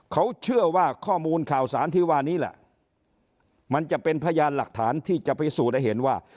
เขาเชื่อว่าข้อมูลข่าวสารที่ว่านี้แหละมันจะเป็นพยานหลักฐานที่จะพิสูจน์ให้เห็นว่า